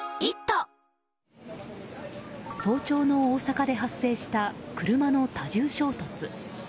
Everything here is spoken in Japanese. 早朝の大阪で発生した車の多重衝突。